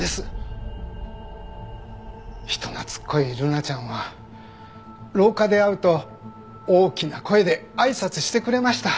人懐っこいルナちゃんは廊下で会うと大きな声であいさつしてくれました。